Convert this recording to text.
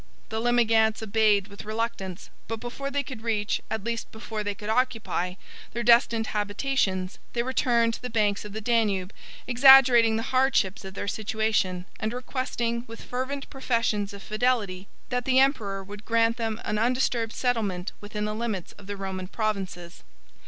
The Limigantes obeyed with reluctance; but before they could reach, at least before they could occupy, their destined habitations, they returned to the banks of the Danube, exaggerating the hardships of their situation, and requesting, with fervent professions of fidelity, that the emperor would grant them an undisturbed settlement within the limits of the Roman provinces.